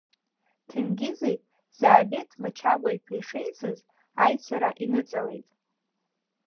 Ҭенгизи Заабеҭ Мачагәа-иԥеи шеицыз аҩцара иныҵалеит.